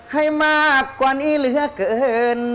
ให้มากกว่านี้เหลือเกิน